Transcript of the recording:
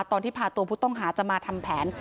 ตอนที่พาตัวผู้ต้องหาจะมาทำแผน